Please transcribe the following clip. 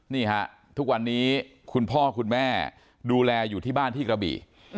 นี่ฮะทุกวันนี้คุณพ่อคุณแม่ดูแลอยู่ที่บ้านที่กระบี่